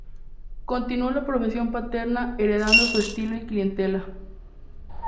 Continuó la profesión paterna, heredando su estilo y clientela.